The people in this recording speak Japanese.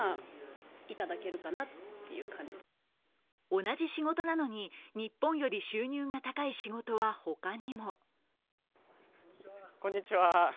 同じ仕事なのに日本より収入が高い仕事は他にも。